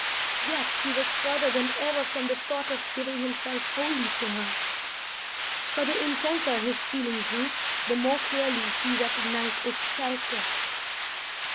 Yet he was further than ever from the thought of giving himself wholly to her, for the intenser his feeling grew, the more clearly he recognised its character.